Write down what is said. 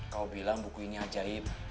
kau bilang buku ini ajaib